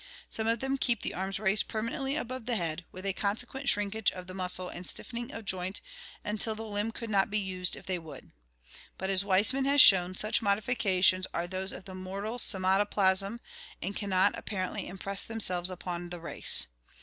Some of them keep the arms raised permanently above the head, with a consequent shrinkage of muscle and stiffening of joint until the limb could not be used if they would. But as Weismann has shown, such modifications are those of the mortal somatoplasm and cannot, apparently, impress themselves upon the race.